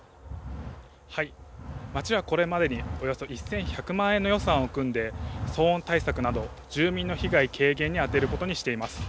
町はこれまでにおよそ１１００万円の予算を組んで、騒音対策など住民の被害軽減に充てることにしています。